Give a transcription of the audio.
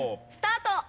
スタート！